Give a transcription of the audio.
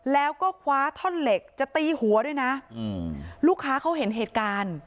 แล้วก็คว้าท่อนเหล็กจะตีหัวด้วยนะอืมลูกค้าเขาเห็นเหตุการณ์